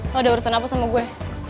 kalau ada urusan apa sama gue